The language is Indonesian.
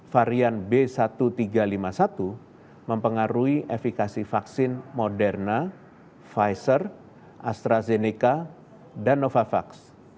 varian b satu tiga lima satu mempengaruhi efekasi vaksin moderna pfizer astrazeneca dan novavax